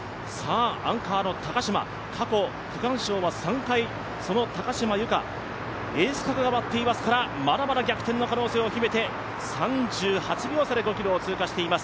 アンカーの高島、過去区間賞は３回その高島由香、エース区画が待っていますからまだまだ逆転の可能性を秘めて、３８秒差で５ｋｍを通過しています。